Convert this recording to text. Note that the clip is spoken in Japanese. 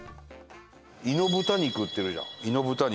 猪豚肉売ってるじゃん猪豚肉。